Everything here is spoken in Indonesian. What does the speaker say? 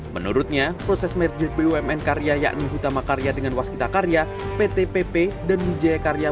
menurutnya proses merget bumn karya yakni hutama karya dengan waskita karya pt pp dan wijaya karya